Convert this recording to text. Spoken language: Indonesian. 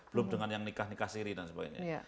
belum dengan yang nikah nikah siri dan sebagainya